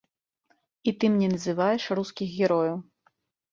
І ты мне называеш рускіх герояў.